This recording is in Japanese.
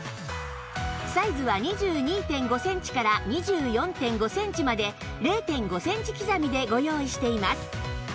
サイズは ２２．５ センチ ２４．５ センチまで ０．５ センチ刻みでご用意しています